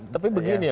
tapi begini ya pak